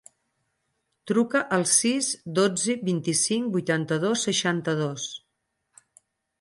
Truca al sis, dotze, vint-i-cinc, vuitanta-dos, seixanta-dos.